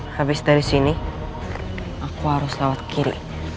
habis dari sini aku harus lewat kiri